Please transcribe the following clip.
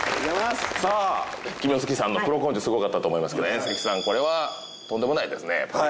さあ肝付さんのプロ根性スゴかったと思いますけど関さんこれはとんでもないですねやっぱり。